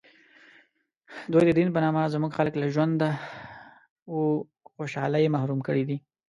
دوی د دین په نامه زموږ خلک له ژوند و خوشحالۍ محروم کړي دي.